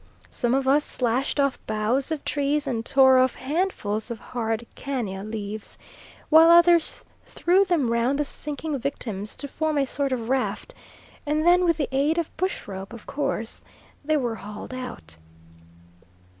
Some of us slashed off boughs of trees and tore off handfuls of hard canna leaves, while others threw them round the sinking victims to form a sort of raft, and then with the aid of bush rope, of course, they were hauled out.